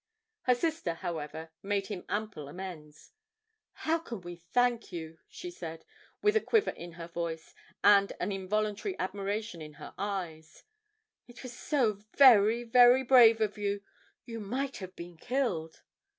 Her sister, however, made him ample amends. 'How can we thank you?' she said, with a quiver in her voice and an involuntary admiration in her eyes; 'it was so very, very brave of you you might have been killed!'